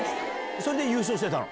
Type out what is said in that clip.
それで優勝してたの？